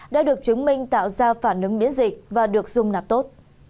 đã được chứng minh tạo ra phản ứng miễn dịch và được dùng nạp tốt